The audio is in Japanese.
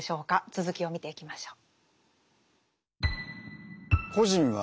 続きを見ていきましょう。